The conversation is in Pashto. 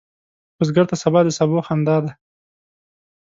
بزګر ته سبا د سبو خندا ده